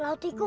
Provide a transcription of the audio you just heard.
baca cepat kan